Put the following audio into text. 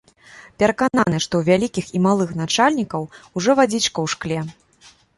Перакананы, што ў вялікіх і малых начальнікаў ужо вадзічка ў шкле.